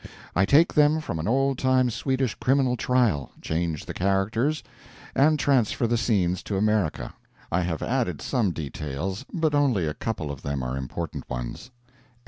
I take them from an old time Swedish criminal trial, change the actors, and transfer the scenes to America. I have added some details, but only a couple of them are important ones.